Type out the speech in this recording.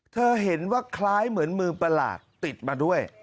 เธอเห็นว่าคล้ายเหมือนมือประหลาดติดมาด้วย